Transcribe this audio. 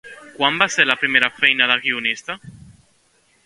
Quan va ser la seva primera feina de guionista?